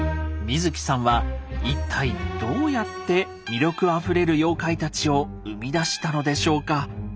水木さんは一体どうやって魅力あふれる妖怪たちを生み出したのでしょうか。